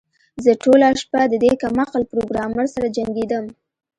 زه ټوله شپه د دې کم عقل پروګرامر سره جنګیدم